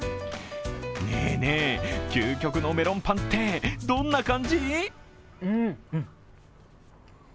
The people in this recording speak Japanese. ねぇねぇ、究極のメロンパンってどんな感じ？